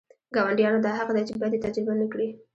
ګاونډیانو دا حق دی چې بدي تجربه نه کړي.